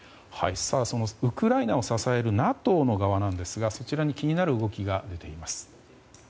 そのウクライナを支えるＮＡＴＯの側ですがそちらに気になる動きが出ています。